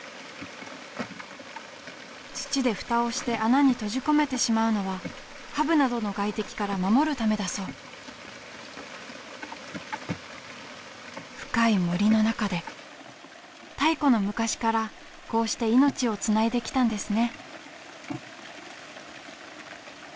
土でフタをして穴に閉じ込めてしまうのはハブなどの外敵から守るためだそう深い森の中で太古の昔からこうして命をつないできたんですね